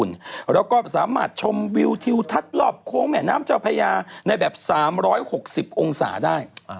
แล้วก็สามารถชมวิวทิวทัศน์รอบโค้งแม่น้ำเจ้าพญาในแบบ๓๖๐องศาได้